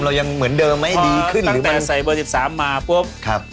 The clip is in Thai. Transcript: ต้องแต่ใส่เบอร์๑๓มาพบ